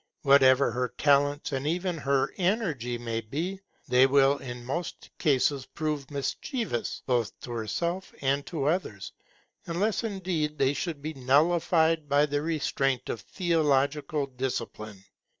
Whatever her talents and even her energy may be, they will in most cases prove mischievous both to herself and to others, unless indeed they should be nullified by the restraint of theological discipline.